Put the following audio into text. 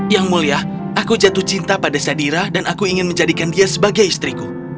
yang mulia aku jatuh cinta pada sadira dan aku ingin menjadikan dia sebagai istriku